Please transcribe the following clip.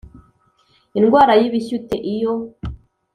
Indwara Y Ibishyute Iyo